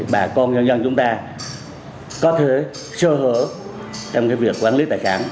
bà con nhân dân chúng ta có thể sơ hở trong cái việc quản lý tài sản